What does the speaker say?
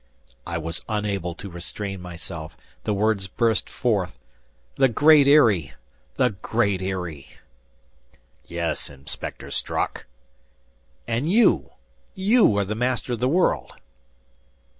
I was unable to restrain myself; the words burst forth—"The Great Eyrie! The Great Eyrie!" "Yes, Inspector Strock." "And you! You are the Master of the World?"